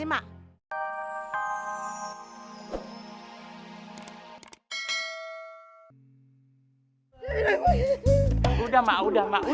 umi pas ngebelain umi